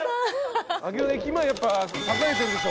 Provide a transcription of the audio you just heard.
上尾駅前やっぱ栄えてるでしょ。